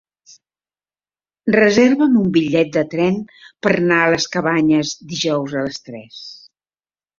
Reserva'm un bitllet de tren per anar a les Cabanyes dijous a les tres.